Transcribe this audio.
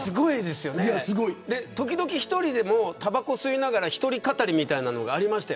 時々１人でタバコを吸いながら一人語りみたいなのがありました。